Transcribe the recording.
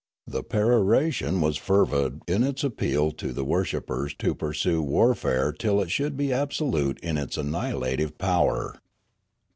The peroration was fervid in its appeal to the worship pers to pursue warfare till it should be absolute in its annihilative power.